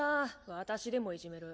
私でもいじめる。